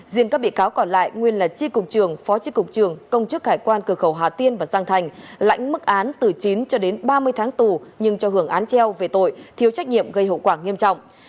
riêng các bị cáo còn lại nguyên là tri cục trường phó tri cục trường công chức hải quan cửa khẩu hà tiên và giang thành lãnh mức án từ chín cho đến ba mươi tháng tù nhưng cho hưởng án treo về tội thiếu trách nhiệm gây hậu quả nghiêm trọng